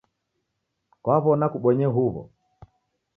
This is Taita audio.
Kwaw'ona kubonye uw'o?